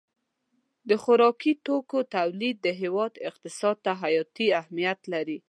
د خوراکي توکو تولید د هېواد اقتصاد ته حیاتي اهمیت لري.